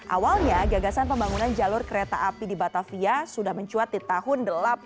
awalnya gagasan pembangunan jalur kereta api di batavia sudah mencuat di tahun seribu delapan ratus empat puluh enam